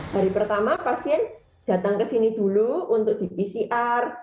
hari pertama pasien datang ke sini dulu untuk di pcr